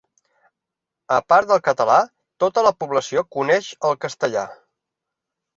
A part del català, tota la població coneix el castellà.